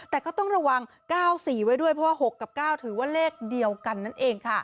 แต่ก็ต้องระวัง๙๔ไว้ด้วยเพราะว่า๖กับ๙ถือว่าเลขเดียวกันนั่นเองค่ะ